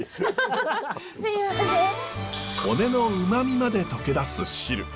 骨の旨味まで溶け出す汁。